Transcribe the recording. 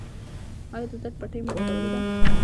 ایا د درد پټۍ مو لګولې ده؟